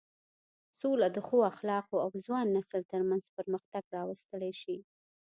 سوله د ښو اخلاقو او ځوان نسل تر منځ پرمختګ راوستلی شي.